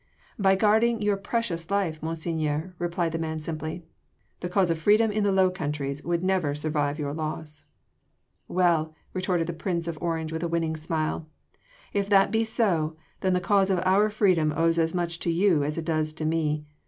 "By guarding your precious life, Monseigneur," replied the man simply. "The cause of freedom in the Low Countries would never survive your loss." "Well!" retorted the Prince of Orange with a winning smile, "if that be so, then the cause of our freedom owes as much to you as it does to me.